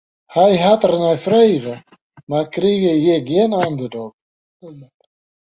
Hy hat der nei frege, mar kriget hjir gjin antwurd op.